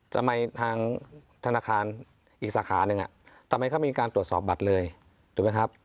ทำไมทางธนาคารอีกสาขาหนึ่งทำไมเขามีการตรวจสอบบัตรเลยถูกไหมครับ